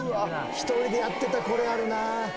一人でやってたらこれあるな。